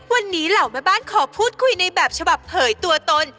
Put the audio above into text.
วันนี้เหล่าแม่บ้านขอพูดคุยในแบบฉบับเผยตัวตน